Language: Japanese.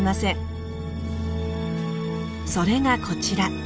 それがこちら。